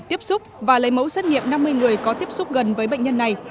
tiếp xúc và lấy mẫu xét nghiệm năm mươi người có tiếp xúc gần với bệnh nhân này